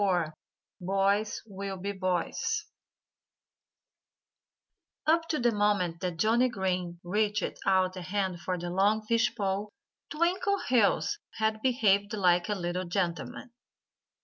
XXIV BOYS WILL BE BOYS Up to the moment that Johnnie Green reached out a hand for the long fish pole Twinkleheels had behaved like a little gentleman.